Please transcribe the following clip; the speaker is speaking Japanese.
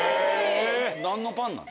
何のパンなの？